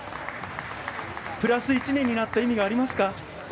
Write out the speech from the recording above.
プラス１年になった意味がありますか？